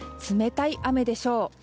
冷たい雨でしょう。